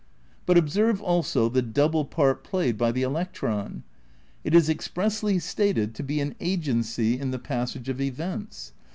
But observe, also, the double part played by the electron. It is expressly stated to be an "agency in the passage of events."